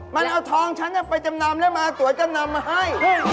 มันเอาทองฉันไปจำนำแล้วมาสวยจำนำมาให้